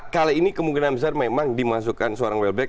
kali ini kemungkinan besar memang dimasukkan seorang well back